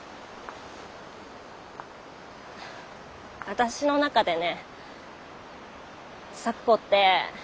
私の中でね咲子って。